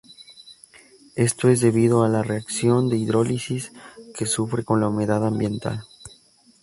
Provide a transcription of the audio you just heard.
Esto es debido a la reacción de hidrólisis que sufre con la humedad ambiental.